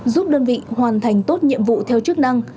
giúp đơn vị hoàn thành tốt nhiệm vụ theo chức năng